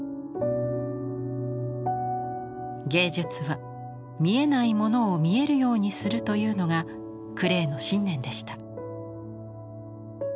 「芸術は見えないものを見えるようにする」というのがクレーの信念でした。